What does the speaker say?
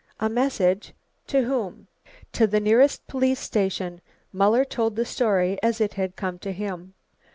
"A message? To whom?" "To the nearest police station." Muller told the story as it had come to him.